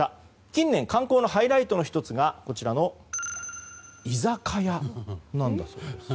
近年、観光のハイライトの１つが居酒屋なんだそうです。